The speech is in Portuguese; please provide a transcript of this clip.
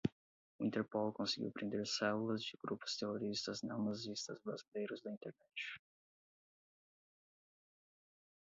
O interpol conseguiu prender células de grupos terroristas neonazistas brasileiros da internet